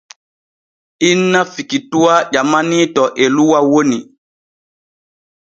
Inna Fikituwa ƴamanii to Eluwa woni.